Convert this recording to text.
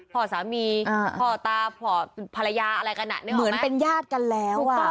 พ่อสามีพ่อตาพ่อภรรยาอะไรขนาดนี่เหรอไหมเหมือนเป็นญาติกันแล้วอ่ะ